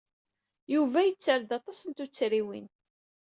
Yuba yetter-d aṭas n tuttriwin.